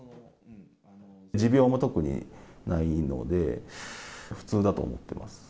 持病も特にないので、普通だと思ってます。